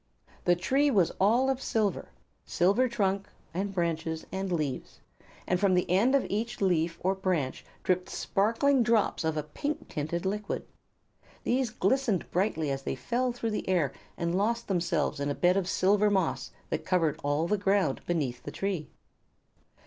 The tree was all of silver silver trunk and branches and leaves and from the end of each leaf or branch dripped sparkling drops of a pink tinted liquid. These glistened brightly as they fell through the air and lost themselves in a bed of silver moss that covered all the ground beneath the tree.